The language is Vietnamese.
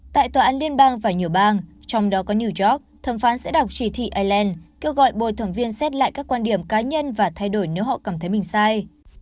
tại tòa án liên bang và nhiều bang trong đó có new york thẩm phán sẽ đọc chỉ thị ireland kêu gọi bồi thẩm viên xét lại các quan điểm cá nhân và thay đổi nếu họ cảm thấy mình sai